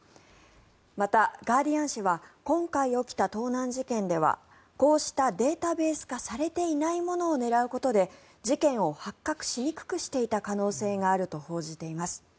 また、ガーディアン紙は今回起きた盗難事件ではこうしたデータベース化されていないものを狙うことで事件を発覚しにくくしていた可能性があると報じています。